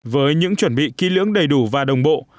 với những chuẩn bị kỹ lưỡng đầy đủ và đồng bộ